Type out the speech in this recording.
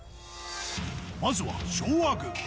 まずは昭和軍。